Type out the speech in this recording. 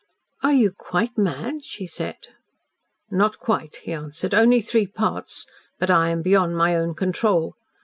"Are you QUITE mad?" she said. "Not quite," he answered; "only three parts but I am beyond my own control.